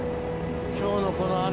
今日のこの網